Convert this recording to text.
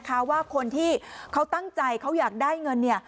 เพราะว่าคนที่เขาตั้งใจเขาอยากได้เงินเนี่ย